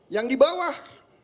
yang di bawah